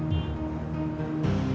gak dekis gak mau